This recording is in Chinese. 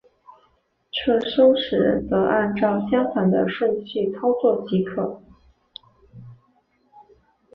撤收时则按照相反的顺序操作即可。